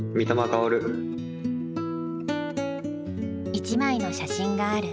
一枚の写真がある。